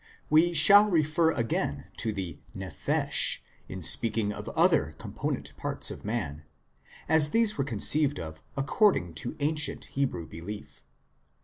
We shall refer again to the nephesh in speaking of other component parts of man, as these were conceived of according to ancient Hebrew belief.